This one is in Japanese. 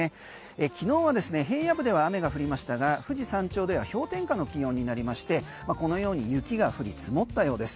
昨日は平野部では雨が降りましたが富士山頂では氷点下の気温になりましてこのように雪が降り積もったようです。